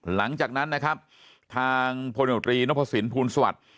หลังจากนั้นนะครับทางพลโนตรีนพสินภูลสวัสดิ์